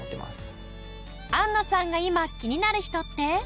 安野さんが今気になる人って？